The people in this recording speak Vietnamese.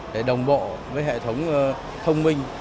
để đồng bộ với hệ thống thông minh